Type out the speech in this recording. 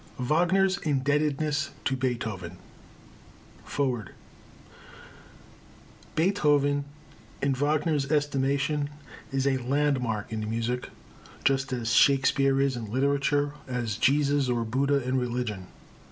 WAGNER'S INDEBTEDNESS TO BEETHOVEN FOREWORD Beethoven, in Wagner's estimation, is a landmark in music, just as Shakespeare is in literature, as Jesus or Buddha in religion.